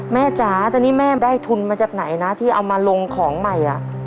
จ๋าตอนนี้แม่ได้ทุนมาจากไหนนะที่เอามาลงของใหม่